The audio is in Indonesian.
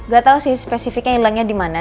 gak tau sih spesifiknya hilangnya dimana